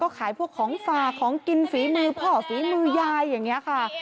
ขายพวกของฝากของกินฝีมือพ่อฝีมือยายอย่างนี้ค่ะ